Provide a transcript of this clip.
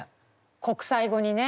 国際語にね。